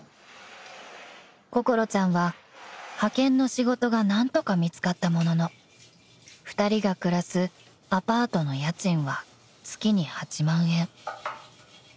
［心ちゃんは派遣の仕事が何とか見つかったものの２人が暮らすアパートの家賃は月に８万円］